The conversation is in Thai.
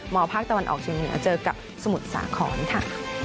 ภาคตะวันออกเชียงเหนือเจอกับสมุทรสาครค่ะ